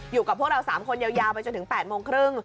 อยู่กับพวกเรา๓คนยาวไปจนถึง๘โมงครึ่ง